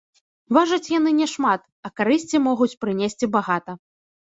Важаць яны няшмат, а карысці могуць прынесці багата.